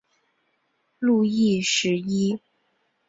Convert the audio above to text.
路易十一。